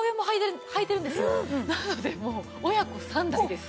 なのでもう親子３代です。